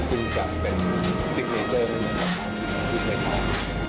ซึ่งกลับเป็นสิกเนเจอร์นึงครับที่เป็นพร้อม